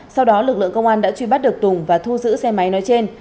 sau đó lực lượng công an đã truy bắt được tùng và thu giữ xe máy nói trên